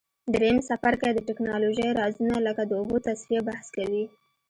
دریم څپرکی د تکنالوژۍ رازونه لکه د اوبو تصفیه بحث کوي.